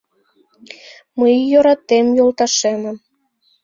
Мый йӧратем йолташемым